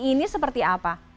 ini seperti apa